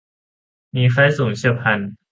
มีไข้สูงเฉียบพลัน